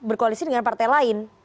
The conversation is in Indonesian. berkoalisi dengan partai lain